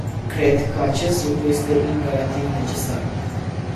Cred că acest lucru este imperativ necesar.